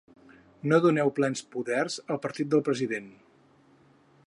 No doneu plens poders al partit del president.